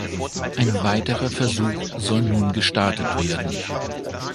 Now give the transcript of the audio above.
Ein weiterer Versuch soll nun gestartet werden.